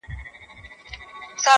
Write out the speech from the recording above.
سنّـتـي نبوي ږیره حیا ده راسره